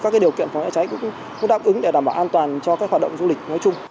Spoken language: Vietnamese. các điều kiện phòng cháy cháy cũng đáp ứng để đảm bảo an toàn cho các hoạt động du lịch nói chung